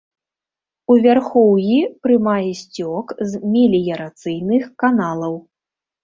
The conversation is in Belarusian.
У вярхоўі прымае сцёк з меліярацыйных каналаў.